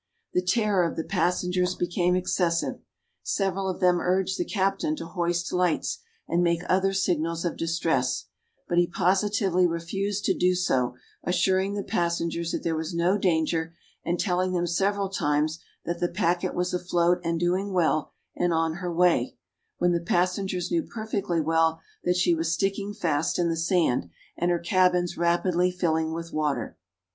The terror of the passengers became excessive. Several of them urged the captain to hoist lights, and make other signals of distress; but he positively refused to do so, assuring the passengers that there was no danger, and telling them several times, that the packet was afloat, and doing well, and on her way; when the passengers knew perfectly well that she was sticking fast in the sand, and her cabins rapidly filling with water.